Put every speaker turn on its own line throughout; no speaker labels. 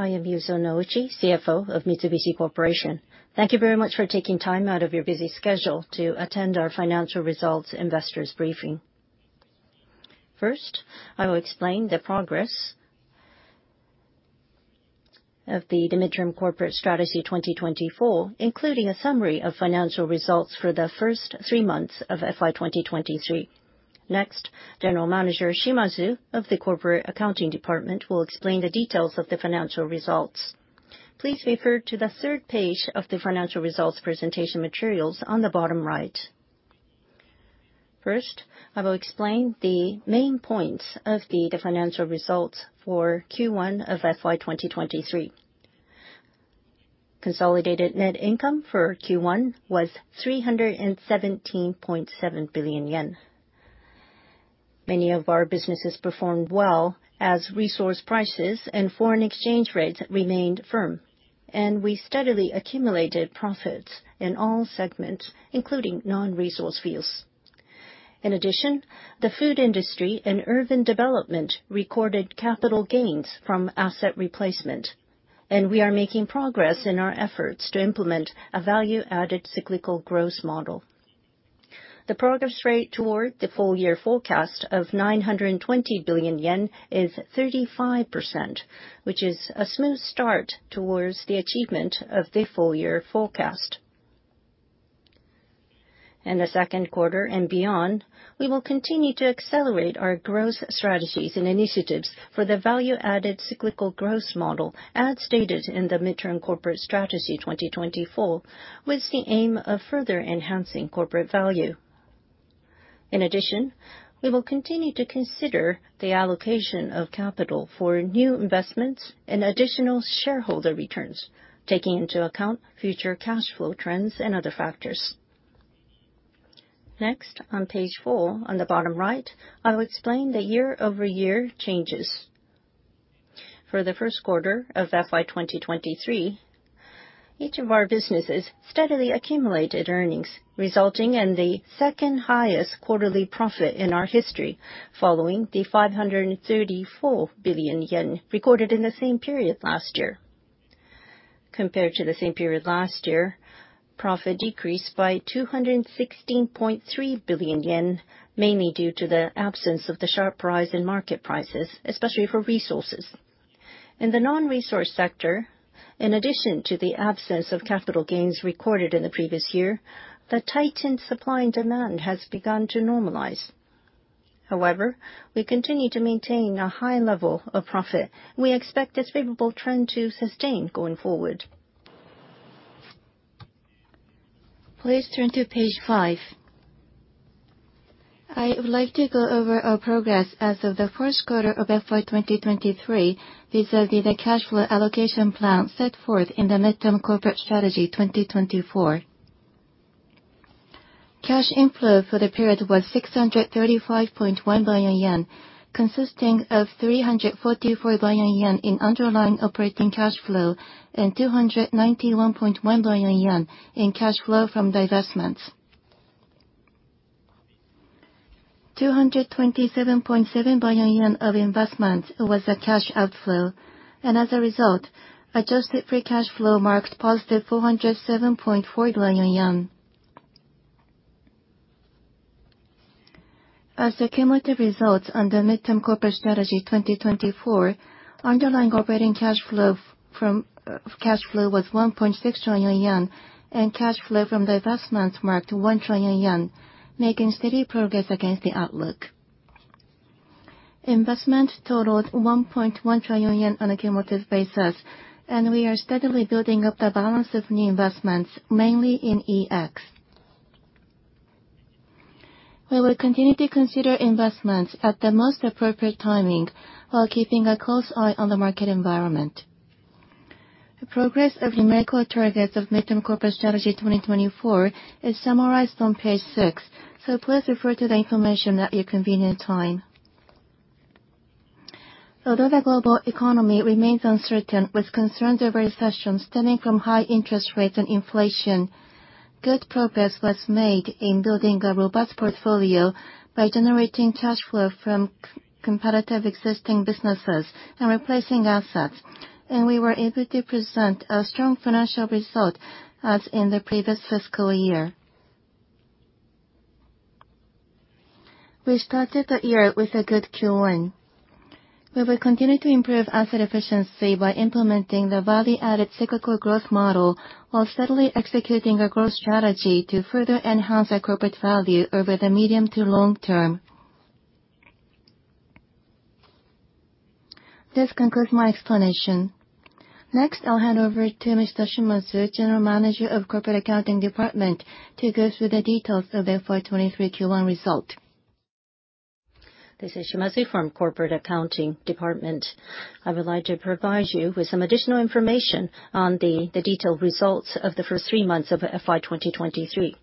I am Yuzo Nouchi, CFO of Mitsubishi Corporation. Thank you very much for taking time out of your busy schedule to attend our financial results investors briefing. First, I will explain the progress of the Midterm Corporate Strategy 2024, including a summary of financial results for the first three months of FY2023. Next, General Manager Shimazu of the Corporate Accounting Department will explain the details of the financial results. Please refer to the third page of the financial results presentation materials on the bottom right. First, I will explain the main points of the financial results for Q1 of FY2023. Consolidated net income for Q1 was 317.7 billion yen. Many of our businesses performed well as resource prices and foreign exchange rates remained firm. We steadily accumulated profits in all segments, including non-resource fields. The Food Industry and Urban Development recorded capital gains from asset replacement, and we are making progress in our efforts to implement a Value-Added Cyclical Growth Model. The progress rate toward the full year forecast of 920 billion yen is 35%, which is a smooth start towards the achievement of the full year forecast. In the second quarter and beyond, we will continue to accelerate our growth strategies and initiatives for the Value-Added Cyclical Growth Model, as stated in the Midterm Corporate Strategy 2024, with the aim of further enhancing corporate value. We will continue to consider the allocation of capital for new investments and additional shareholder returns, taking into account future cash flow trends and other factors. On page four, on the bottom right, I will explain the year-over-year changes. For the first quarter of FY2023, each of our businesses steadily accumulated earnings, resulting in the second highest quarterly profit in our history, following the 534 billion yen recorded in the same period last year. Compared to the same period last year, profit decreased by 216.3 billion yen, mainly due to the absence of the sharp rise in market prices, especially for resources. In the non-resource sector, in addition to the absence of capital gains recorded in the previous year, the tightened supply and demand has begun to normalize. We continue to maintain a high level of profit. We expect this favorable trend to sustain going forward. Please turn to page five. I would like to go over our progress as of the first quarter of FY2023, vis-a-vis the cash flow allocation plan set forth in the Midterm Corporate Strategy 2024. Cash inflow for the period was 635.1 billion yen, consisting of 344 billion yen in underlying operating cash flow and 291.1 billion yen in cash flow from divestments. 227.7 billion yen of investments was a cash outflow. As a result, adjusted free cash flow marked +407.4 billion yen. As the cumulative results on the Midterm Corporate Strategy 2024, underlying operating cash flow from cash flow was 1.6 trillion yen, and cash flow from divestments marked 1 trillion yen, making steady progress against the outlook. Investment totaled 1.1 trillion on a cumulative basis. We are steadily building up the balance of new investments, mainly in EX. We will continue to consider investments at the most appropriate timing while keeping a close eye on the market environment. The progress of numerical targets of Midterm Corporate Strategy 2024 is summarized on page six. Please refer to the information at your convenient time. The global economy remains uncertain, with concerns over recession stemming from high interest rates and inflation. Good progress was made in building a robust portfolio by generating cash flow from competitive existing businesses and replacing assets. We were able to present a strong financial result, as in the previous fiscal year. We started the year with a good Q1. We will continue to improve asset efficiency by implementing the Value-Added Cyclical Growth Model, while steadily executing a growth strategy to further enhance our corporate value over the medium to long term. This concludes my explanation. Next, I'll hand over to Mr. Shimazu, General Manager of Corporate Accounting Department, to go through the details of the FY23 Q1 result.
This is Shimazu from Corporate Accounting Department. I would like to provide you with some additional information on the detailed results of the first three months of FY2023.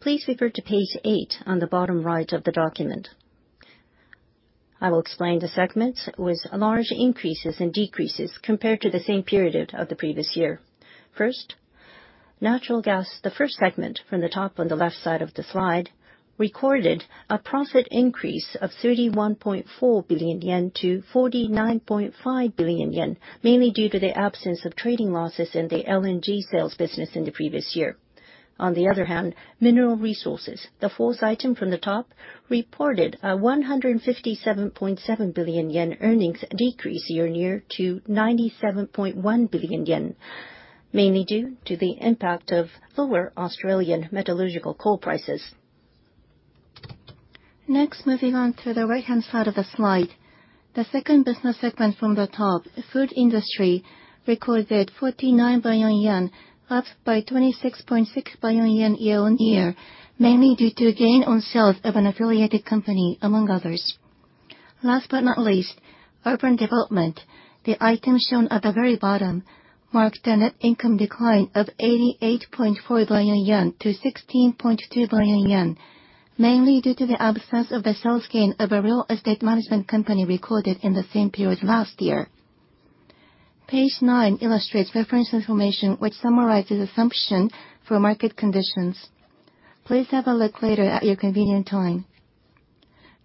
Please refer to page eight on the bottom right of the document. I will explain the segments with large increases and decreases compared to the same period of the previous year. First, Natural Gas, the first segment from the top on the left side of the slide, recorded a profit increase of 31.4 billion yen to 49.5 billion yen, mainly due to the absence of trading losses in the LNG sales business in the previous year.
On the other hand, Mineral Resources, the fourth item from the top, reported a 157.7 billion yen earnings decrease year-on-year to 97.1 billion yen, mainly due to the impact of lower Australian metallurgical coal prices. Next, moving on to the right-hand side of the slide. The second business segment from the top, Food Industry, recorded 49 billion yen, up by 26.6 billion yen year-on-year, mainly due to gain on sales of an affiliated company, among others. Last but not least, Urban Development, the item shown at the very bottom, marked a net income decline of 88.4 billion yen to 16.2 billion yen, mainly due to the absence of a sales gain of a real estate management company recorded in the same period last year. Page nine illustrates reference information, which summarizes assumption for market conditions. Please have a look later at your convenient time.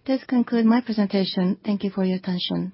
This conclude my presentation. Thank you for your attention.